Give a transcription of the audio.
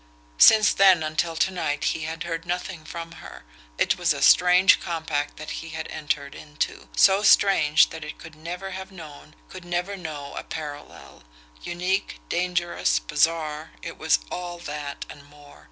Since then until to night he had heard nothing from her. It was a strange compact that he had entered into so strange that it could never have known, could never know a parallel unique, dangerous, bizarre, it was all that and more.